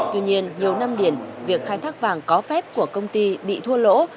tự nhiên nhiều năm điền việc khai thác vàng có phép của công ty bị thua lỗ